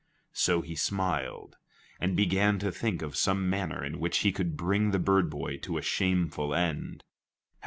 So he smiled, and began to think of some manner in which he could bring the bird boy to a shameful end.